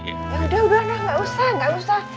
udah udah gak usah gak usah